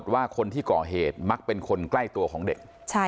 ว่าคนที่ก่อเหตุมักเป็นคนใกล้ตัวของเด็ก